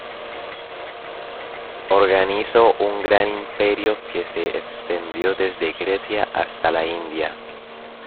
Organizó un gran imperio que se extendió desde Grecia hasta la India.